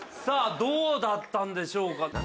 さあどうだったんでしょうか？